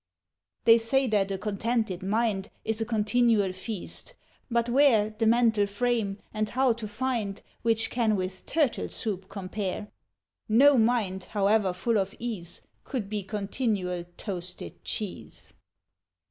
They say that a Contented Mind Is a Continual Feast; but where The mental frame, and how to find, Which can with Turtle Soup compare? No mind, however full of Ease, Could be Continual Toasted Cheese.